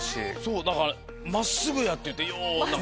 だから「真っすぐや」って。